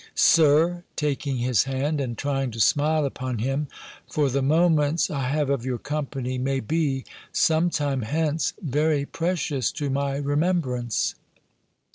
Sir," taking his hand, and trying to smile upon him; "for the moments I have of your company, may be, some time hence, very precious to my remembrance."